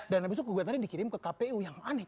dan abis itu gugatannya dikirim ke kpu yang aneh